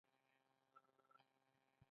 څرنګه د یوه مرکزي مفهوم پر محور څرخېدای شي.